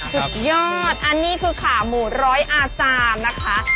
สุดยอดอันนี้คือขาหมูร้อยอาจารย์นะคะ